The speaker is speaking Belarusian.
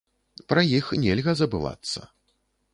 Пра іх нельга забывацца.